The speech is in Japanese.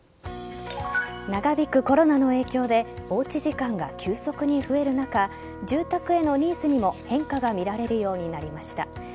長引くコロナの影響でおうち時間が急速に増える中住宅へのニーズにも変化が見られるようになりました。